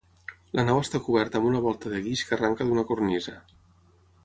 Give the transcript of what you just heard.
La nau està coberta amb una volta de guix que arranca d'una cornisa.